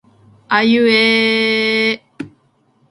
あいうえええええええ